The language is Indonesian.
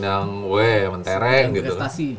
yang weh mentereng gitu